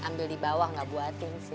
ambil di bawah nggak buatin sih